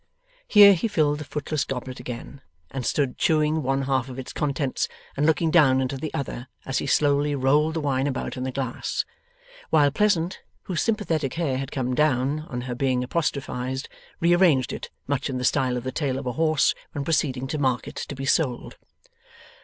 Here he filled the footless goblet again, and stood chewing one half of its contents and looking down into the other as he slowly rolled the wine about in the glass; while Pleasant, whose sympathetic hair had come down on her being apostrophised, rearranged it, much in the style of the tail of a horse when proceeding to market to be sold.